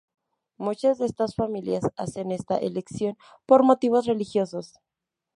Muchas de estas familias hacen esta elección por motivos religiosos.